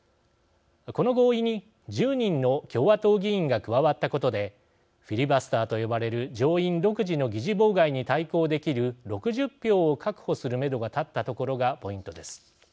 この合意に１０人の共和党議員が加わったことでフィリバスターと呼ばれる上院独自の議事妨害に対抗できる６０票を確保するめどが立ったところがポイントです。